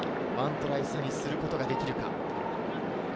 １トライ差にすることができるか。